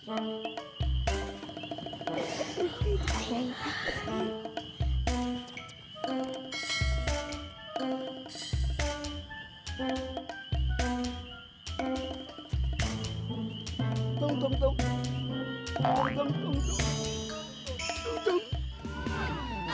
aku juga nggak tau